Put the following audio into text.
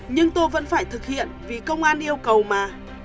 nhưng tôi vẫn phải thực hiện vì công an yêu cầu mà